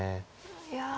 いや。